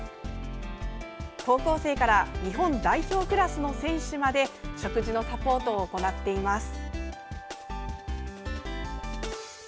高校生から日本代表クラスの選手まで食事のサポートを行っています。